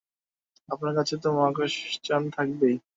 আপনার কাছে তো মহাকাশযান থাকবেই।